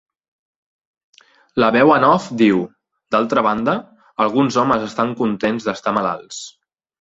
La veu en off diu: D'altra banda, alguns homes estan contents d'estar malalts.